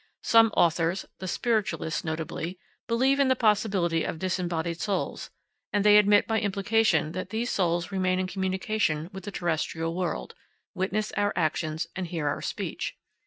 Some authors, the spiritualists notably, believe in the possibility of disembodied souls, and they admit by implication that these souls remain in communication with the terrestrial world, witness our actions, and hear our speech.